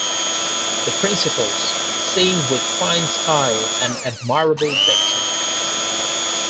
The principals sing with fine style and admirable diction.